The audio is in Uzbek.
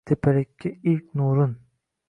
Tepalikka ilk nurin